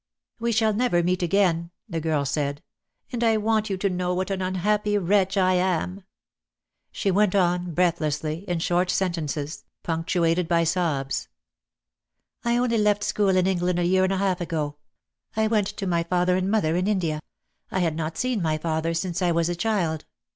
"We shall never meet again," the girl said, "and I want you to know what an unhappy wretch I am." She went on breathlessly, in short sentences, 38 DEAD LOVE HAS CHAINS. punctuated by sobs. "I only left school in England a year and a half ago. I went to my father and mother in India. I had not seen my father since I was a child.